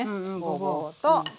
ごぼうと。